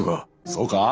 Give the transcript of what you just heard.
そうか？